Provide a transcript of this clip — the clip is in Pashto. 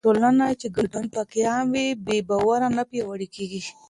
هغه ټولنه چې ګډون پکې عام وي، بې باوري نه پیاوړې کېږي.